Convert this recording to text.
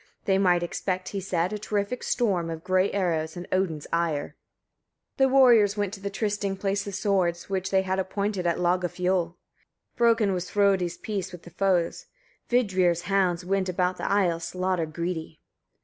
They might expect, he said, a terrific storm of grey arrows, and Odin's ire. 13. The warriors went to the trysting place of swords, which they had appointed at Logafioll. Broken was Frodi's peace between the foes: Vidrir's hounds went about the isle slaughter greedy.